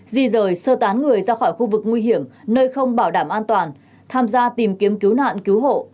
di rời sơ tán người ra khỏi khu vực nguy hiểm nơi không bảo đảm an toàn tham gia tìm kiếm cứu nạn cứu hộ